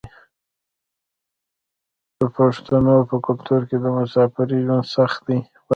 د پښتنو په کلتور کې د مسافرۍ ژوند سخت دی.